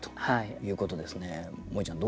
もえちゃん